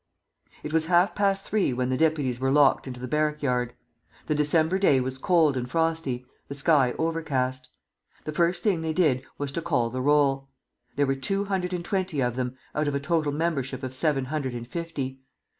It was half past three when the deputies were locked into the barrack yard. The December day was cold and frosty, the sky overcast. The first thing they did was to call the roll. There were two hundred and twenty of them, out of a total membership of seven hundred and fifty.